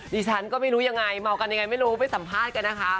ดิฉันก็ไม่รู้ยังไงเมากันยังไงไม่รู้ไปสัมภาษณ์กันนะคะ